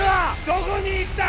どこに行った！